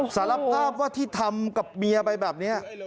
สารภาพว่าที่ทำกับเมียไปแบบนี้